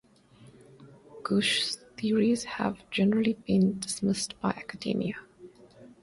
Gooch's theories have generally been dismissed by academia.